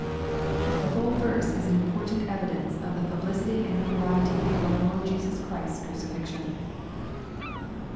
The whole verse is an important evidence of the publicity and notoriety of our Lord Jesus Christ's cnicifixion.